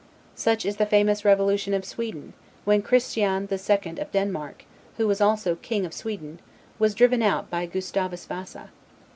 Such is the famous revolution of Sweden, when Christian the Second of Denmark, who was also king of Sweden, was driven out by Gustavus Vasa.